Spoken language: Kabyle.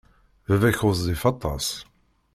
Baba-k ɣezzif aṭas.